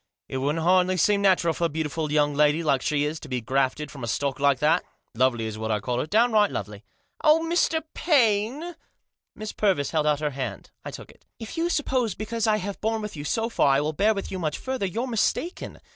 It wouldn't hardly seem natural for a beautiful young lady like she is to be grafted from a stock like that. Lovely is what I call her, downright lovely." "Oh, Mr. Paine!" Miss Purvis held out her hand. I took it. " If you suppose because I have borne with you so far I will bear with you much further, you're mistaken.